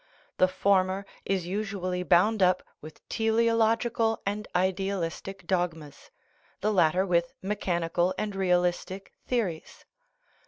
The for mer is usually bound up with teleological and idealis tic dogmas, the latter with mechanical and realistic theories.